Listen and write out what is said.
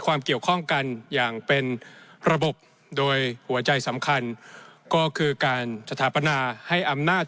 ความเกี่ยวข้องกันอย่างเป็นระบบโดยหัวใจสำคัญก็คือการสถาปนาให้อำนาจ